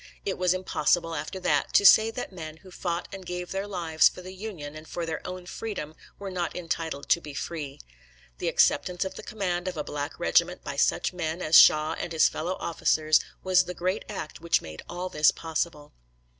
It was impossible, after that, to say that men who fought and gave their lives for the Union and for their own freedom were not entitled to be free. The acceptance of the command of a black regiment by such men as Shaw and his fellow officers was the great act which made all this possible.